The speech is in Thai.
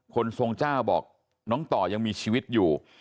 ทรงเจ้าบอกน้องต่อยังมีชีวิตอยู่